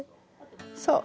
そう！